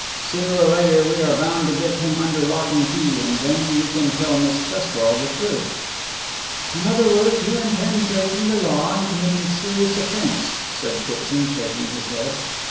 Sooner or later we are bound to get him under lock and key, and then we can tell Miss Cresswell the truth." "In other words, you intend breaking the law and committing a serious offence," said Kitson, shaking his head.